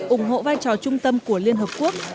ủng hộ vai trò trung tâm của liên hợp quốc